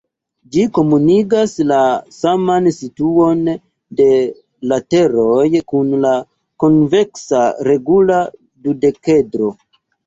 Ĝi komunigas la saman situon de lateroj kun la konveksa regula dudekedro.